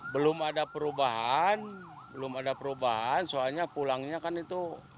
belum ada perubahan belum ada perubahan soalnya pulangnya kan itu